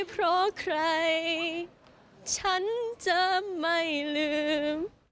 เพราะใครฉันจะไม่ลืม